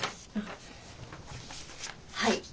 はい。